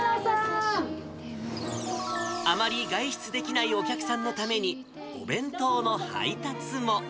あまり外出できないお客さんのために、お弁当の配達も。